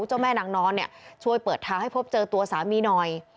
เจ้าแม่นางนอนเนี่ยช่วยเปิดทางให้พบเจอตัวสามีหน่อย